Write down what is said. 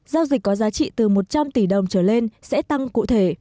giao dịch có giá trị từ một trăm linh tỷ đồng trở lên sẽ tăng cụ thể